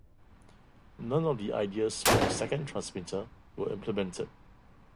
None of the ideas for a second transmitter were implemented.